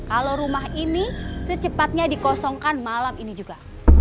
kalau rumah ini secepatnya dikosongkan malam ini juga